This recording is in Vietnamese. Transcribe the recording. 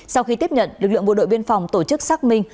sau khi tiếp nhận lực lượng bộ đội biên phòng tổ chức xác minh